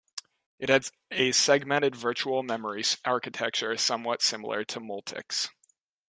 It had a segmented virtual memory architecture, somewhat similar to Multics.